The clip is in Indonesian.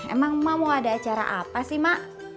emang ma mau ada acara apa sih ma